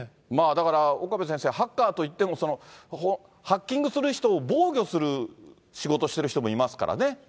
だから岡部先生、ハッカーといってもハッキングする人を防御する仕事をしている人もいますからね。